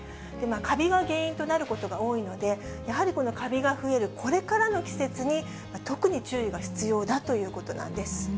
カビが原因となることが多いので、やはりこのカビが増えるこれからの季節に、特に注意が必要だということなんです。